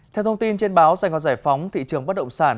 theo thông tin trên báo sài gòn giải phóng thị trường bất động sản